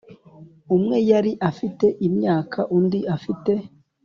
Umwe yari afite imyaka undi afite